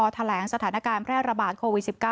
แถลงสถานการณ์แพร่ระบาดโควิด๑๙